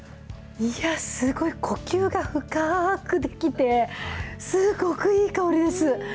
いや、すごい呼吸が深ーくできて、すごくいい香りです。